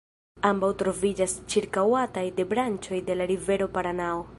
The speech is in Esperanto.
Ambaŭ troviĝas ĉirkaŭataj de branĉoj de la rivero Paranao.